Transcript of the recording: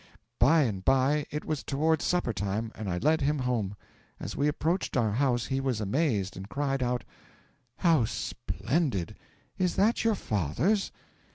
'By and by it was towards supper time, and I led him home. As we approached our house he was amazed, and cried out: '"How splendid! Is that your father's?"